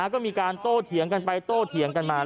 ก็มีการโต้เถียงกันไปโต้เถียงกันมา